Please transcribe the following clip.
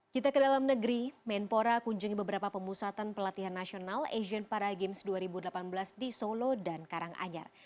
kita ke dalam negeri menpora kunjungi beberapa pemusatan pelatihan nasional asian para games dua ribu delapan belas di solo dan karanganyar